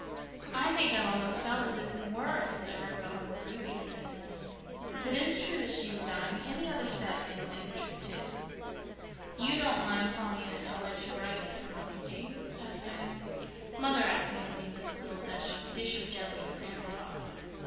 "I think I've almost felt as if we were since I heard about poor Ruby," said Anne. "If it is true that she is dying any other sad thing might be true, too." "You don't mind calling in at Elisha Wright's for a moment, do you?" asked Diana. "Mother asked me to leave this little dish of jelly for Aunt Atossa."